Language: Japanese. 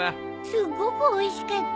すっごくおいしかったよ。